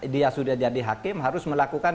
dia sudah jadi hakim harus melakukan